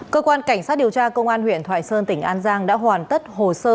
cơ quan cảnh sát điều tra công an huyện thoại sơn tỉnh an giang đã hoàn tất hồ sơ